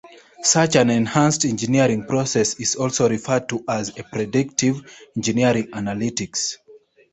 Such an enhanced engineering process is also referred to as predictive engineering analytics.